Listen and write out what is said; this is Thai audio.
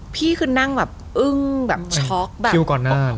พี่คือนั่งแบบอึ้งแบบช็อกแบบคิวก่อนหน้า